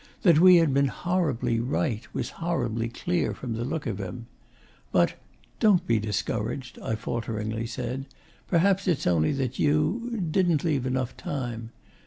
That we had been horribly right was horribly clear from the look of him. But 'Don't be discouraged,' I falteringly said. 'Perhaps it's only that you didn't leave enough time.